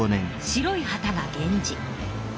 白い旗が源氏。